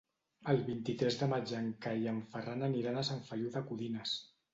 El vint-i-tres de maig en Cai i en Ferran aniran a Sant Feliu de Codines.